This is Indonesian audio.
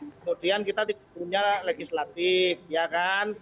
kemudian kita tidak punya legislatif ya kan